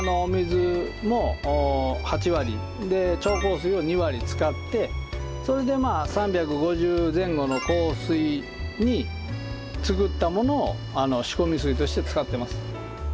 それを６７の使ってそれで３５０前後の硬水に作ったものを仕込み水として使ってます。